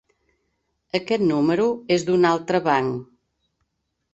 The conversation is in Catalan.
Aquest número és d'un altre banc.